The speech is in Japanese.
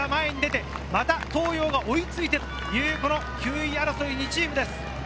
東洋が追いついてという９位争いの２チームです。